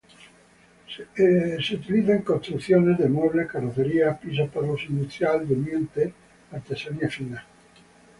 Es utilizada en construcciones de muebles, carrocerías, pisos para uso industrial, durmientes, artesanías finas.